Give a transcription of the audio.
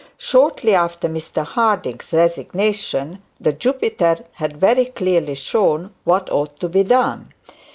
Shortly after Mr Harding's resignation, the Jupiter had very clearly shown what ought to be done.